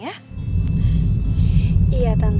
iya tante makasih ya tante